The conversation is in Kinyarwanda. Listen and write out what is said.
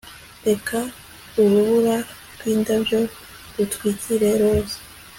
reka urubura rwindabyo rutwikire roza